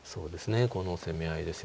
この攻め合いですよね。